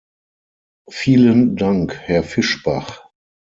Vielen Dank, Herr Fischbach.